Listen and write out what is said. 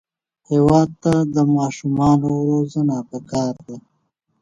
هېواد ته د ماشومانو روزنه پکار ده